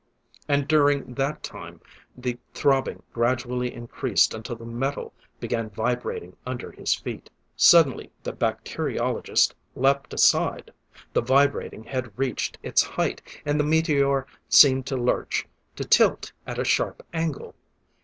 And during that time, the throbbing gradually increased until the metal began vibrating under his feet. Suddenly the bacteriologist leaped aside. The vibrating had reached its height, and the meteor seemed to lurch, to tilt at a sharp angle.